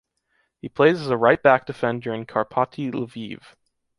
He plays as a right back defender in Karpaty Lviv.